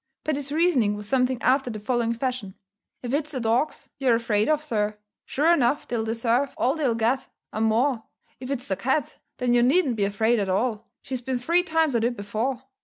Paddy's reasoning was something after the following fashion: "If it's the dogs you're afraid of, sir, sure enough they'll deserve all they'll get, and more; if it's the cat, then you needn't be afraid at all, she's been three times at it before.